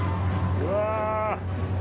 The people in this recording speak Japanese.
うわ。